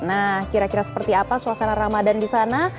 nah kira kira seperti apa suasana ramadan di sana